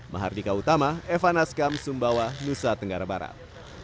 mahardika utama evan askam sumbawa nusa tenggara barat